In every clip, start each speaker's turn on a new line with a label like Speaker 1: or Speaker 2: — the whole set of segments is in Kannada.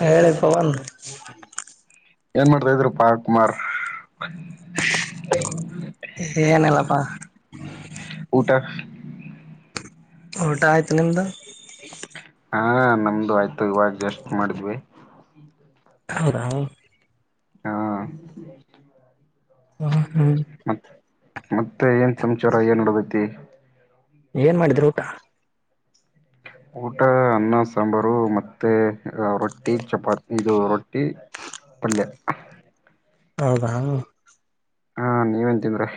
Speaker 1: ಹೇಳಿ ಪವನ್
Speaker 2: ಏನ್ ಮಾಡ್ತಾ ಇದಿರ ಪಾರ್ ಕುಮಾರ್
Speaker 1: ಏನಿಲ್ಲಪ್ಪಾ
Speaker 2: ಊಟ
Speaker 1: ಊಟ ಅಯ್ತು ನಿಮ್ದು
Speaker 2: ಹಾ ನಮ್ದು ಆಯ್ತು ಇವಾಗ ಜಸ್ಟ್ ಮಾಡಿದ್ವಿ
Speaker 1: ಹೌದಾ
Speaker 2: ಹಾ
Speaker 1: ಹ್ಮ್
Speaker 2: ಮ ಮತ್ತೆ ಏನ್ ಸಂಚಾರ ಏನ್ ನಡೀದೈತಿ
Speaker 1: ಏನ್ ಮಾಡಿದ್ರು ಊಟ
Speaker 2: ಊಟ ಅನ್ನ ಸಾಂಬಾರು ಮತ್ತೆ ಅ ರೊ ರೊಟ್ಟಿ ಚಪಾತಿ ಇದು ರೊಟ್ಟಿ ಪಲ್ಯ
Speaker 1: ಹೌದಾ
Speaker 2: ಹಾ ನೀವೇನ್ ತಿಂದ್ರಿ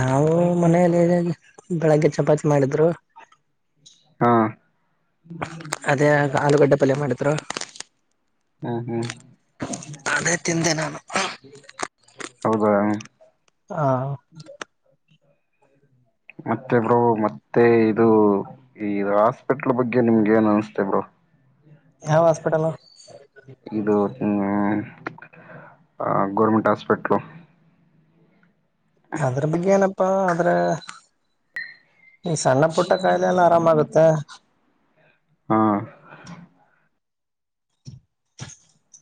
Speaker 1: ನಾವು ಮನೆಯಲ್ಲಿ ಬೆಳಗ್ಗೆ ಚಪಾತಿ ಮಾಡಿದ್ರು
Speaker 2: ಹಾ
Speaker 1: ಅದೇ ಆಲೂಗಡ್ಡೆ ಪಲ್ಯ ಮಾಡಿದ್ರು
Speaker 2: ಹ್ಮ್ ಹ್ಮ್
Speaker 1: ಅದೇ ತಿಂದೆ ನಾನು
Speaker 2: ಹೌದಾ
Speaker 1: ಹಾ
Speaker 2: ಮತ್ತೆ ಬ್ರೋ ಮತ್ತೆ ಇದು ಈ ಹಾಸ್ಪಿಟಲ್ ಬಗ್ಗೆ ನಿಮ್ಗೆ ಏನ್ ಅನ್ಸುತ್ತೆ ಬ್ರೋ
Speaker 1: ಯಾವ ಹಾಸ್ಪಿಟಲ್
Speaker 2: ಇದು ಹ್ಮ್ ಅ ಗೌರ್ಮೆಂಟ್ ಹಸ್ಪಿಟ್ಲು
Speaker 1: ಅದ್ರು ಬಗ್ಗೆ ಏನಪ್ಪಾ ಅಂದ್ರೆ ಈ ಸಣ್ಣ ಪುಟ್ಟ ಕಾಯಿಲೆ ಎಲ್ಲ ಆರಾಮಾಗುತ್ತೆ
Speaker 2: ಹಾ
Speaker 1: [inaudible]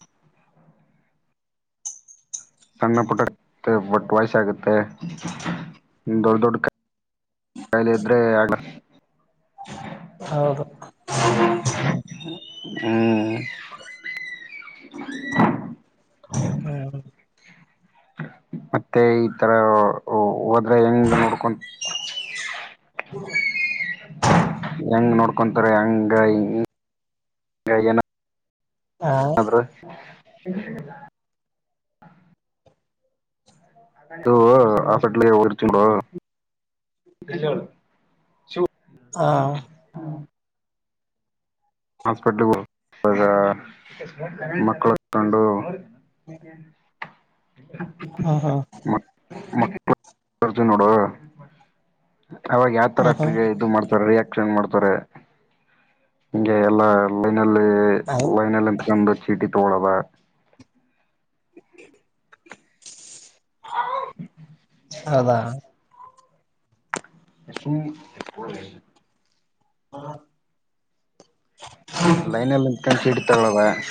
Speaker 2: ಸಣ್ಣ ಪುಟ್ಟ ಬಟ್ಟ ವಯಸ ಆಗತ್ತೆ ದೊಡ್ಡ ದೊಡ್ಡ ಕ [unintelligible] ಕಾಯಲೆ ಇದ್ರೆ ಆಗ್ಲ
Speaker 1: ಹೌದು.
Speaker 2: ಹ್ಮ
Speaker 1: ಹ್ಮ
Speaker 2: ಮತ್ತೆ ಈತರ ಹೋದ್ರೆ ಹೆಂಗ ನೋಡ್ಕೊ
Speaker 1: ಹ್ಮ [unintelligible]
Speaker 2: ಹೆಂಗ ನೋಡ್ಕೊಂತಾರೆ ಹಂಗ ಏನು
Speaker 1: ಹ
Speaker 2: ಆದ್ರ ಅದು ಹಾಸ್ಪಿಟಲ್ ಗೆ ಹೋಗಿರ್ತಿವಿ ನೋಡು
Speaker 1: ಹಾ
Speaker 2: ಹಾಸ್ಪಿಟ್ಲ ಹೋಗ್ತದ ಮಕ್ಳ ಕೊಂಡು [inaudible]
Speaker 1: ಹಾ ಹಾ
Speaker 2: ರ್ಜು ನೋಡು ಅವಾಗ ಯಾವತರ
Speaker 1: ಹ್ಮ್ ಹ್ಮ್
Speaker 2: ಇದು ಮಾಡ್ತಾರೆ ರಿಯಾಕ್ಷನ್ ಮಾಡ್ತ ತಾರೆ ಹಿಂಗೇ ಎಲ್ಲಾ ಲೈನಲ್ಲಿ ವೈನಲ್ಲಿ ಇತಕೊಂಡ ಚೀಟಿ ತುಗೋಳೋದ
Speaker 1: [inaudible] ಅದಾ
Speaker 2: ಸುಮ್ಮ
Speaker 1: ಹಾ [unintelligible]
Speaker 2: ಲೈನಲ್ಲಿ ನಿಂತಕಂಡ ತುಗೋಳೋದ.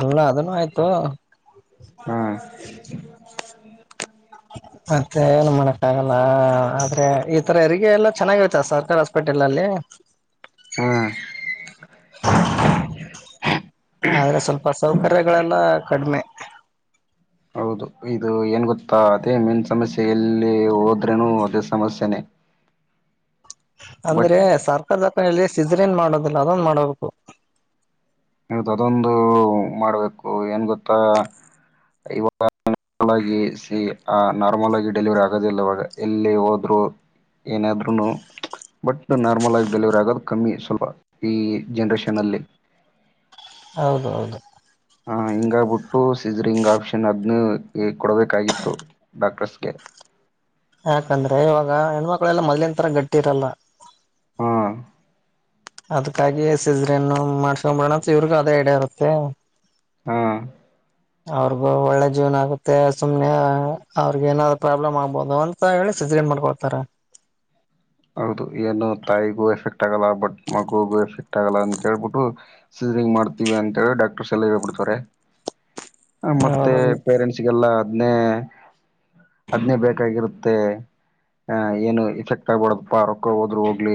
Speaker 1: ಅಲ್ಲ ಅದನ್ನು ಆಯ್ತು.
Speaker 2: ಹಾ [inaudible]
Speaker 1: [inaudible] ಮತ್ತೆ ಏನ್ ಮಾಡಕ್ಕ ಆಗಲ್ಲ ಆದ್ರೆ ಈ ತರ ಹೆರಿಗೆ ಎಲ್ಲ ಚೆನ್ನಾಗಿರತ್ತ ಸರ್ಕಾರಿ ಹಾಸ್ಪಿಟಲ್ ಅಲ್ಲಿ [inaudible]
Speaker 2: ಹ್ಮ.
Speaker 1: ಆದ್ರ ಸ್ವಲ್ಪ ಸೌಕರ್ಯಗಳೆಲ್ಲ ಕಡಿಮೆ.
Speaker 2: ಹೌದು ಇದು ಏನ್ ಗೊತ್ತಾ ಅದೇ ಮೇನ್ ಸಮಸ್ಯೆ. ಎಲ್ಲಿ ಹೋದ್ರೇನು ಅದೇ ಸಮಸ್ಯೆನೇ
Speaker 1: ಅಂದ್ರೆ ಸರ್ಕರ ದಖನೆಯಲ್ಲಿ ಸಿಜ್ರನ್ ಮಾಡೋದಿಲ್ಲ ಅದೊಂದ ಮಾಡಬೇಕು.
Speaker 2: ಹೌದು ಅದೊಂದು ಮಾಡ್ಬೇಕು ಏನ್ ಗೊತ್ತಾ ಮಾಲಾಗಿಸಿ ಆ ನಾರ್ಮಲ್ ಆಗಿ ಡೆಲಿವರಿ ಆಗೋದಿಲ್ಲವಾಗ ಎಲ್ಲಿ ಹೋದ್ರು ಏನಾದ್ರುನು ಬಟ್ ನಾರ್ಮಲ್ ಆಗಿ ಡೆಲಿವರಿ ಆಗೋದು ಕಮ್ಮಿ ಸ್ವಲ ಈ ಜನ್ರೇಷಲ್ಲಿ
Speaker 1: ಹೌದ ಹೌದು.
Speaker 2: ಹ್ಞಾ ಹಿಂಗ ಬಿಟ್ಟು ಸೀಝರಿಂಗ್ ಆಪ್ಷನ್ ಅದನ್ನ ಕೊಡಬೇಕಾಗಿತ್ತು ಡಾಕ್ಟರ್ಸ್ಗೆ
Speaker 1: ಯಾಕಂದ್ರೆ ಇವಾಗ ಹೆಣ್ಮಕ್ಳಲ್ಲಾ ಮೊದ್ಲಿನ ಗಟ್ಟಿ ಇರಲ್ಲ.
Speaker 2: ಹಾ
Speaker 1: ಅದಕ್ಕಾಗಿ ಸಿಜ್ರಿನ್ನು ಮಾಡಸ್ಕೊಂಡ ಮಾಡಾಸೋಣಂತ ಇವ್ರಿಗೂ ಅದೇ ಐಡಿಯ ಇರುತ್ತೆ.
Speaker 2: ಹ್ಮ.
Speaker 1: ಅವ್ರಗ ಒಳ್ಳೆ ಜೀವನ ಆಗತ್ತೆ ಸುಮ್ನೆ ಅವ್ರಗ ಏನಾ ಪ್ರಾಬ್ಲಮ್ ಆಗ್ಬೋದು ಅಂತ ಹೇಳ ಸೀಜರಿನ್ ಮಾಡ್ಕೊಳ್ತಾರ.
Speaker 2: ಹೌದು ಏನು ತಾಯಿಗೂ ಎಫೆಕ್ಟ್ ಆಗಲ್ಲ ಬಟ್ ಮಗುಗೂ ಎಫೆಕ್ಟ್ ಆಗಲ್ಲ ಅಂತ ಹೇಳ್ಬಿಟ್ಟು ಸೀಜರಿಂಗ್ ಮಾಡ್ತೀವಿ ಅಂತೇಳಿ ಡಾಕ್ಟರ್ಸ್ ಎಲ್ಲಾ ಹೇಳಿ ಬಿಡ್ತಾರೆ. ಹ ಮತ್ತೆ
Speaker 1: ಹೌದು
Speaker 2: ಪೇರೆಂಟ್ಸ್ ಗೆಲ್ಲಾ ದ್ನೇ ಅದ್ನೇ ಬೇಕಾಗಿರುತ್ತೆ ಆ ಏನು ಎಫೆಕ್ಟ್ ಬಡದಪ್ಪ ರೊಕ್ಕ ಹೋದ್ರೂ ಹೋಗ್ಲಿ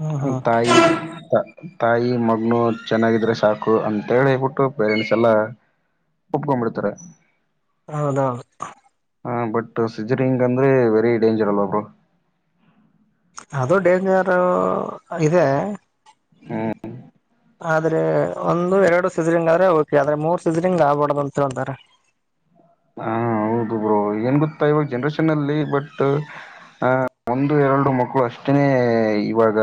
Speaker 1: ಹ್ಮ್ ಹ್ಮ್
Speaker 2: ತಾಯಿ ತಾ ತಾಯಿ ಮಗನು ಚೆನ್ನಾಗಿದ್ರೆ ಸಾಕು ಅಂತೇಳಿ ಬಿಟ್ಟು ಪೇರೆಂಟ್ಸ್ ಎಲ್ಲ ಒಪಕೊಂಡಬಿಡ್ತಾರೆ.
Speaker 1: ಹೌದ
Speaker 2: ಹ್ಞ ಬಟ್ ಸಿಜರಿಂಗ್ ಅಂದ್ರೆ ವೆರಿ ಡೇಂಜರ್ ಅಲ್ವಾ ಬ್ರೋ.
Speaker 1: ಅದು ಡೇಂಜರ್ ಇದೆ
Speaker 2: ಹ್ಮ್
Speaker 1: ಆದ್ರೆ ಒಂದ ಇ ಎರಡು ಸೀಜರಿಂಗ ಆದ್ರೆ ಓಕೆ ಆದ್ರೆ ಮೂರ್ ಸೀಜರಿಂಗ ಆಗ್ಬಾರದು ಅಂತಾರೆ.
Speaker 2: ಹಾ ಹೌದು ಬ್ರೋ ಏನ್ ಗೊತ್ತಾ ಇವಾಗ ಜನ್ರೇಷನ್ ಅಲ್ಲಿ ಬಟ್ ಆ ಒಂದು ಎರಡು ಮಕ್ಕಳು ಅಷ್ಟೇನೇ ಇವಾಗ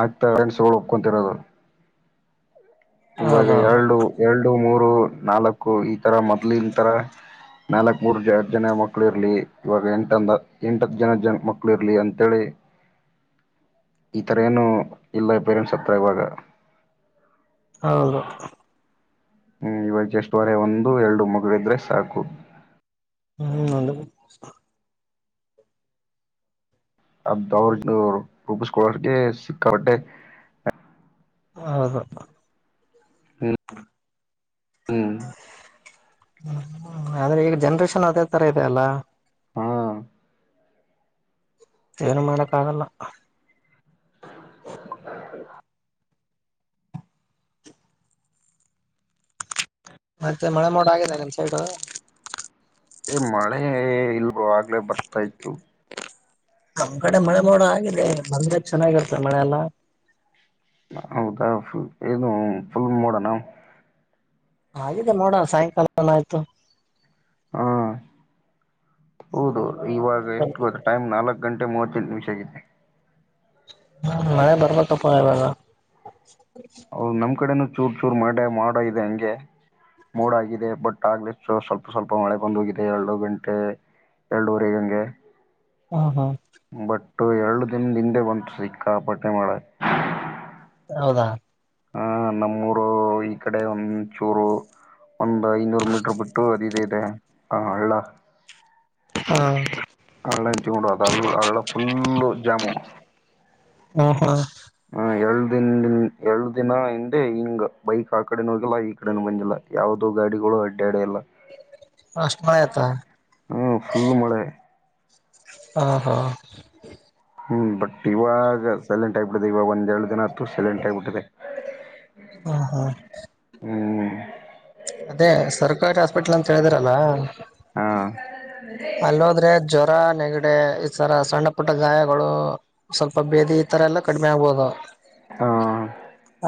Speaker 2: ಆಗ್ತಾ ಪೇರೆಂಟ್ಸ್ ಒಪ್ಕೊತಿರೋದು. ಇವಾಗ
Speaker 1: ಹೌದೌದು
Speaker 2: ಎರಡು ಎರಡು ಮೂರು ನಾಲ್ಕು ಈತರ ಮೊದ್ಲಿನ ತರ ನಾಲ್ಕ್ ಮೂರ್ ಜ ಜನ ಮಕ್ಳು ಇರ್ಲಿ ಇವಾಗ ಎಂಟಂದ ಎಂಟತ್ ಜನ ಜ ಮಕ್ಳು ಇರ್ಲಿ ಅಂತೇಳಿ
Speaker 1: [inaudible]
Speaker 2: ಈಥರ ಏನು ಇಲ್ಲ ಬೇರೆಂಟ್ಸ್ ಹತ್ರ ಇವಾಗ
Speaker 1: ಹೌದು
Speaker 2: ಹ್ಮ್ ಇವಾಗ ಎಷ್ಟುವರೆ ಒಂದು ಎರಡು ಮಗಳಿದ್ರೆ ಸಾಕು
Speaker 1: ಹ್ಮ್ ನ
Speaker 2: ಅ್ದ ಅವ್ರನ್ನು ರೂಪಿಸ್ಕೊಡೋಕ್ಕೆ ಸಿಕ್ಕ ಹೊಟ್ಟೆ
Speaker 1: ಹಾ ಹಾ
Speaker 2: ಹ್ಮ
Speaker 1: ಹ್ಮ್ಮ ಆದ್ರೆ ಈಗ ಜನ್ರೇಷನ್ ಅದೇ ತರ ಇದೆ ಅಲ್ಲ
Speaker 2: ಹಾ
Speaker 1: ಏನು ಮಾಡಕ್ಕ ಆಗಲ್ಲ ಮತ್ತೆ ಮಳೆ ಮೋಡ್ ಆಗಿದೆ ನಿನ್ ಸೈಡ್
Speaker 2: ಏ ಮಳೆ ಇಲ್ವೋ ಆಗ್ಲೇ ಬರ್ತಾ ಇ್ತತ್ತು
Speaker 1: ನಮ್ ಕಡೆ ಮಳೆ ಮಾಡೋಡ ಆಗಿದೆ ಬಂದೆ ಚೆನ್ನಾಗಿರ್ತಾರೆ ಮಳೆಲ್ಲ
Speaker 2: ಹೌದಾ ುಲ್ ಏನು ಫುಲ್ ಮೂೋಡಣ
Speaker 1: ಹಾಗಿದೆ ನೋಡಣ ಸಾಯಂಕಾಲನ ಆಯ್ತು
Speaker 2: ಹಾ
Speaker 1: ಸಂಜೆ
Speaker 2: ಹೌದೌದು
Speaker 1: ಮಳೆ
Speaker 2: ಇವಾಗ
Speaker 1: ಬರ್
Speaker 2: ಎಷ್ಟು ಗೊತ್ತ ಟೈಮ್ ನಾಲ್ಕು ಗಂಟೆ ಮೂವತ್ತು ನಿಮಿಷ ಆಗಿದೆ
Speaker 1: ನ ಬರ್ಬ ತಪ್ಪ ಇವಾಗ
Speaker 2: ಹೌದು ನಮ್ ಕಡೆನೂ ಚೂರ್ ಚೂರ್ ಮಾಡ ಮಾಡೋ ಇದೆ ಹಂಗೆ ಮೂಡ ಆಾಗಿದೆ ಬಟ್ ಆಗ್ಲಿ ಸ್ವಲ್ಪ ಸ್ವಲ್ಪ ಮಳೆ ಬಂದೋಗಿದೆ ಎರಡು ಗಂಟೆ ಎರಡುೂರಿಗಂಗೆ
Speaker 1: ಹಾ ಹಾ
Speaker 2: ಎರಡು ದಿನದ ಹಿಂದೆ ಬಂತು ಸಿಕ್ಕಾಪಾಟ್ಟೆ ಮಾಡಕ್ಕೆ
Speaker 1: ಹೌದಾ
Speaker 2: ಹಾ ನಮ್ಮೂರು ಈ ಕಡೆ ಒಂದಚೂರು ಒಂದು್ ಐನೂರು ಮೀಟ್ರ ಬಿಟ್ಟು ಅದ ಇದೆ ಹ ಹಳ್ಳ
Speaker 1: ಹ್ಮ್
Speaker 2: ಅಳ್ಳ ಚಟ ಅ ಅಳ್ಳಳ್ಳ ಫುಲ್ಲು ಜಾಮು
Speaker 1: ಹ ಹಾ
Speaker 2: ಹ ಎಳ್ ದಿನ ಎರಡು ದಿನ ಹಿಂದೆ ಹಿಂಗ ಬೈಕ್ ಆ ಕಡೆನೂ ಹೋಗಿಲ್ಲ ಈ ಕಡೆನ ಬಂದಿಲ್ಲ ಯಾವುದೋ ಗಾಡಿಗಳು ಅಡ್ಡ ಅಡಿ ಇಲ್ಲ
Speaker 1: ಅಷ್ಟ್ ಮಳೆ ಆಯ್ತಾ
Speaker 2: ಹ್ಮ್ ಸುಲ್ ಮಳೆ
Speaker 1: ಹ ಹಾ
Speaker 2: ಹ್ಮ್ ಬಟ್ ಇವಾಗ ಸೈಲೆಂಟ್ ಆಐಬಡಿದೆ ಇವಾಗ ಒಂದ್ ಎರಡು ದಿನ ಸೆಲೆಂಟ್ ಆಗಿಬಿಟ್ಟಿದೆ
Speaker 1: ಹ್ಮ್ ಹ್ಮ್
Speaker 2: ಹ್ಮ್
Speaker 1: ಅದೇ ಸರ್ಕಾರಿ ಹಾಸ್ಪಿಟಲ್ ಅಂತ ಹೇಳಿದಿರಲ್ಲ
Speaker 2: ಹಾ
Speaker 1: ಅಲ್ಲೋದ್ರೆ ಜ್ವರ ನೆಗಡೆ ಈ ತರ ಸಣ್ಣ ಪುಟ್ಟ ಗಾಯಗಳು ಸ್ವಲ್ಪ ಬೇದಿ ಈ ತರ ಎಲ್ಲ ಕಡಿಮೆ ಆಗ್ಬಹದು
Speaker 2: ಹಾ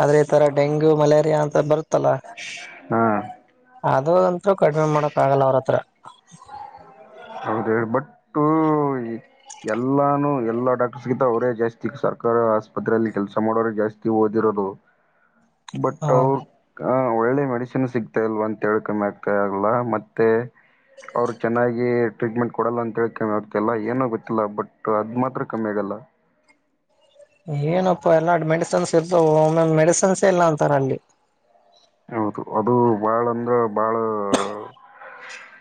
Speaker 1: ಆದ್ರೆ ಈ ತರ ಡೆಂಗ್ಯೂ ಮಲೇರಿಯಾ ಅಂತ ಬರುತ್ತಲ್ಲ
Speaker 2: ಹಾ
Speaker 1: ಅದು ಅಂತೂ ಕಡಿಮೆ ಮಾಡಕ್ ಆಗಲ್ಲ ಅವ್ರ ಹತ್ರ
Speaker 2: ಹೌದ ಬಟ್ಟ ಎಲ್ಲಾನು ಎಲ್ಲ ಡಾಟರ್ಸ್ಗಿಂತ ಅವರೇ ಜಾಸ್ತಿ ಸರ್ಕಾರ ಆಸ್ಪತ್ರರೆೆಯಲ್ಲಿ ಕೆಲ್ಸ ಮಾಡೋಜಾಸ್ತಿ ಓದಿದ ಬ
Speaker 1: ಹ
Speaker 2: ಅವ ಒಳ್ಳೆ ಮೆಡಿಸಿನ್ ಸಿಗ್ತಾ ಇಲ್ವಾ ಅಂತ ಹೇಳ ಕಮ್ಮಿ ಆಗ್ತಾ ಆಗ್ಲ್ಲ ಮತ್ತೆ ಅವ್ರು ಚೆನ್ನಾಗಿ ಟ್ರೀಟ್ಮೆಂಟ್ ಕೊಡಲ್ಲ ಅಂತ ಹೇಳ ಕ ಆತಲ್ಲ ಏನ ಗೊತ್ತೆ ಬಟ್ ಅದು ಮಾತ್ರ ಕಮ್ಮಿ ಆಗಲ್ಲ
Speaker 1: ಏನಪ್ಪಾ ಎಲ್ಲ ಮೆಡಿಸನ್ಸ್ ಇರ್ತಾವ ಒಮ್ಮಂದ ಮೆಡಿಸನ್ಸೇ ಇಲ್ಲ ಅಂತಾರ ಅಲ್ಲಿ
Speaker 2: ಹೌದು ಅದು ಬಾಳಂದ ಭಾಳ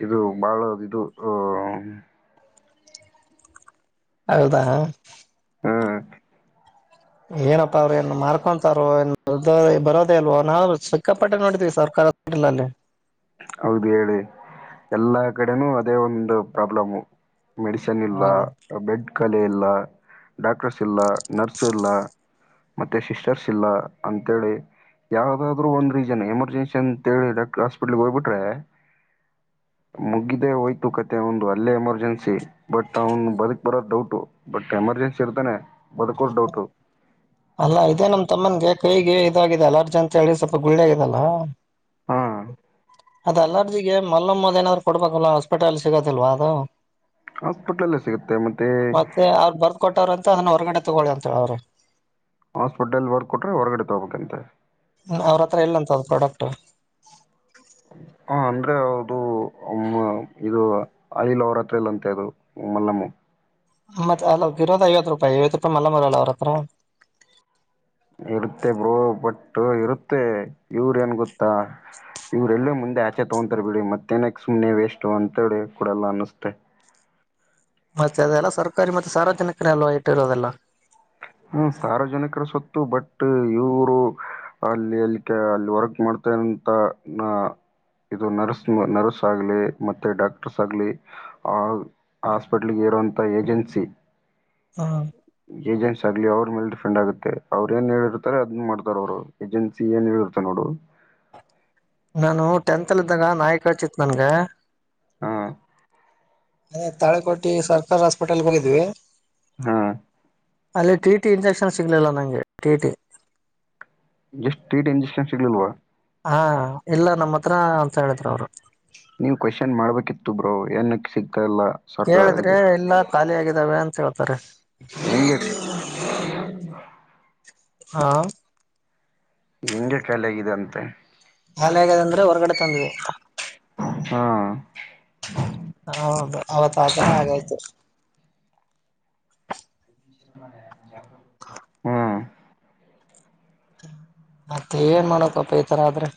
Speaker 2: ಇದು ಬಾಳ ಇದು ಅ
Speaker 1: ಹೌದಾ
Speaker 2: ಹ
Speaker 1: ಏನಪ್ಪಾ ಅವ್ರ ಏನ್ ಮಾರ್ಕೊಂತಾರೋ ಏನ್ ಬರೋದೇ ಇಲ್ವೋ ನಾವ ಸಿಕ್ಕಾಪಟ್ಟೆ ನೋಡಿದೀವಿ ಸರ್ಕಾರದ. ಮಿಡ್ಲಲ್ಲಿ.
Speaker 2: ಹೌದು ಹೇಳಿ ಎಲ್ಲಾ ಕಡೆನೂ ಅದೇ ಒಂದು ಪ್ರಾಬ್ಲಮು. ಮೆಡಿಸನ್ ಇಲ್ಲ
Speaker 1: ಹಾ
Speaker 2: ಬೆಡ್ ಖಾಲಿ ಇಲ್ಲ ಡಾಕ್ಟರ್ಸ್ ಇಲ್ಲ ನರ್ಸ್ ಇಲ್ಲ. ಮತ್ತೆ ಸಿಸ್ಟರ್ಸ್ ಇಲ್ಲ ಅಂತೇಳಿ. ಯಾವ್ದಾದ್ರು ಒಂದ ರೀಜನ್ ಎಮರ್ಜೆನ್ಸಿ ಅಂತ ಹೇಳಿ ಡಾಕ್ಟರ್ ಹಾಸ್ಪಿಟ್ಲ್ಗೆ ಹೋಗ್ಬಿಟ್ರೆ.
Speaker 1: ಹ [inaudible]
Speaker 2: ಮುಗಿದೇ ಹೋಯ್ತು ಕತೆ ಅವುಂದು ಅಲ್ಲೇ ಎಮರ್ಜೆನ್ಸಿ ಬಟ್ ಅವ್ನು ಬದುಕ್ ಬರೋ ಡೌಟು ಬಟ್ ಎಮರ್ಜೆನ್ಸಿ ಇರ್ತನೆ ಬದುಕೋದು ಡೌಟು.
Speaker 1: ಅಲ್ಲಾ ಇದೆ ನಮ್ ತಮ್ಮನ್ಗೆ ಕೈಗೆ ಇದಾಗಿದೆ ಅಲರ್ಜಿ ಅಂತ ಹೇಳಿ ಸ್ವಲ್ಪ ಗುಳ್ಳೆ ಆಗಿದೆಲ್ಲ.
Speaker 2: ಹಾ
Speaker 1: ಅದ ಅಲರ್ಜಿಗೆ ಮಲ್ಲಮ್ಮದ ಏನಾದ್ರು ಕೊಡ್ಬೇಕಲ್ಲ. ಬಟ್ ಅಲ್ಲ ಸಿಗದಿಲ್ವಾ ಅದು.
Speaker 2: ಹಾಸ್ಪಿಟ್ಲಲ್ಲೇ ಸಿಗುತ್ತೆ ಮತ್ತೆ
Speaker 1: ಮತ್ತೆ ಅವರು ಬರ್ದಕೊಟ್ಟವ್ರಂತ ಅದನ್ನ ಹೊರ್ಗಡೆ ತಗೊಳ್ಳಿ ಅಂತ ಹೇಳರ ಅವ್ರ.
Speaker 2: ಹಾಸ್ಪಿಟಲಲ್ಲಿ ಬರದ ಕೊಟ್ರೆ ಹೊರಗಡೆ ತೋಬೇಕಂತೆ.
Speaker 1: ಅವ್ರ ಹತ್ರ ಇಲ್ಲಂತ ಅದ ಪ್ರಡೇಕ್ಟ್.
Speaker 2: ಹಾ ಅಂದರೆೆ ಹೌದು ಅಮ ಇದು ಅಯಿಲ್ ಅವರತ್ರ ಇಲ್ ಅಂತೆ ಅದು ಮಲ್ಲಮು.
Speaker 1: ಮತ್ ಅಲ ಇರೋದ ಐವತ್ ರೂಪಾಯಿ ಐವತ್ತು ರೂಪಾಯಿ ಮಲ್ಲಮಿರಲ್ಲ ಅವ್ರತ್ರ.
Speaker 2: ಇರುತ್ತೆ ಬ್ರೋ ಬಟ್ಟು ಇರುತ್ತೆ ಇವರ ಏನ್ ಗೊತ್ತಾ. ಇವ್ರ ಎಲ್ಲೂ ಮುಂದೆ ಆಚೆ ತಗೊಂತಾರೆ ಬಿಡಿ ಮತ್ತೇನಕ್ ಸುಮ್ಮನೆ ವೇಸ್ಟ್ ಅಂತೇಳಿ ಕೊಡಲ್ಲ ಅನ್ನಸ್ತೆ.
Speaker 1: ಮತ್ತೆ ಅದೆಲ್ಲ ಸರ್ಕಾರಿ ಮತ್ತೆ ಸಾರ್ವಜನಿಕರೆ ಅಲ್ವಾ ಇಟ್ಟಿರೋದೆಲ್ಲ.
Speaker 2: ಹ್ಮ್ ಸಾರ್ವಜನಿಕರ ಸುತ ಇತ್ತು ಬಟ್ ಇವರು ಅಲ್ಲಿ ಅಲ್ಲಿ ಅಲ್ಲಿ ವರ್ಕ್ ಮಾಡ್ತಂತ ನಾ ಇದು ನರ್ಸ್ ನರ್ಸ್ ಆಗ್ಲಿ ಮತ್ತೆ ಡಾಕ್ಟರ್ಸ್ ಆಗ್ಲಿ ಆ ಹಾಸ್ಪಿಟ್ಲ್ಗೆ. ಇರುವಂಥ ಏಜೆನ್ಸಿ.
Speaker 1: ಹಾ
Speaker 2: ಏಜೆನ್ಸಾಗ್ಲಿ ಅವ್ರ ಮ್ಯಾಲ್ ಡಿಪ್ ಂಡ ಆಗುತ್ತೆ ಅವ್ರ ಏನ್ ಹೇಳಿರ್ತಾರೆ ಅದನ್ ಮಾಡ್ತಾರ ಅವರು ಏಜೆನ್ಸಿ ಏನ್ ಹೇಳಿರ್ತಾ ನೋಡು.
Speaker 1: ನಾನು ಟೆಂತಲ್ಲಿದ್ದಾಗ ನಾಯಿ ಕಚಿತ್ತ ನನ್ಗ.
Speaker 2: ಹ
Speaker 1: ಅ ತಾಳಿಕೋಟಿ ಸರ್ಕಾರಿ ಹಾಸ್ಪಿಟಲ್ಗ ಹೋಗಿದ್ವಿ.
Speaker 2: ಹಾ
Speaker 1: ಅಲ್ಲಿ ಟಿಟಿ ಇಂಜೆಕ್ಷನ್ ಸಿಗ್ಲಿಲ್ಲ ನಂಗೆ ಟಿಟಿ.
Speaker 2: ಜಸ್ಟ್ ಟಿಟಿ ಇಂಜೆಕ್ಷನ್ಸ್ ಸಿಗಲಿಲ್ವ.
Speaker 1: ಹಾ ಇಲ್ಲ ನಮ್ಮ ಹತ್ರ ಅಂತ ಹೇಳಿದ್ರು ಅವರು.
Speaker 2: ನೀವ್ ಕ್ವಶನ್ ಮಾಡ್ಬೇಕಿತ್ತು ಬ್ರೋ ಏನಕ ಸಿಗ್
Speaker 1: ಕೇಳಿದ್ರೆ ಇಲ್ಲ ಖಾಲಿ ಆಗಿದ್ದಾವೆ ಅಂತ ಹೇಳ್ತಾರೆ.
Speaker 2: ಈ [unintelligible]
Speaker 1: ಹಾ
Speaker 2: ಹಿಂಗೆ ಖಾಲಿ ಆಗಿದೆ ಅಂತೆ.
Speaker 1: ಖಾಲಿ ಆಗ್ಯದ ಅಂದ್ರೆ ಹೊರಗಡೆ ತಂದ್ವಿ.
Speaker 2: ಹಾ
Speaker 1: ಹಾ ಬ್ ಅವತ್ ಆತರ ಆಗೊಯ್ತು.
Speaker 2: ಹ್ಮ್
Speaker 1: ಮತ್ತೆನ್ ಮಾಡಕಪ್ಪ ಈತರ ಆದ್ರೆ.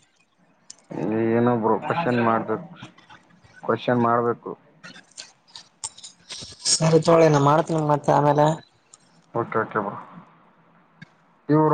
Speaker 2: ಏನು ಬ್ರೋ ಕ್ವಶನ್ ಮಾಡ್ಬೇಕು ಕ್ವಶನ್ ಮಾಡ್ಬೇಕು.
Speaker 1: ಸರಿ ತೋಳಿಣ ಮಾಡ್ತೀನಿ ಮತ್ತೆ ಆಮೇಲೆ.
Speaker 2: Okay okay bro ಇವೂರು.